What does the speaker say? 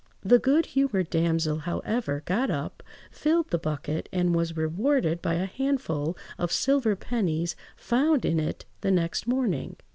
The good–humoured damsel, however, got up, filled the bucket, and was rewarded by a handful of silver pennies found in it the next morning.